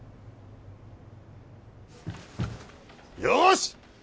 よし！